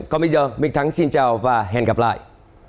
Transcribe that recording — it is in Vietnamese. còn bây giờ minh thắng xin chào và hẹn gặp lại